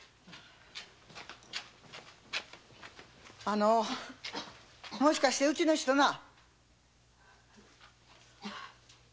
あのうもしかしてうちの人な。